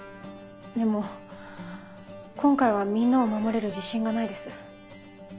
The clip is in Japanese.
でも今回はみんなを守れる自信がないです。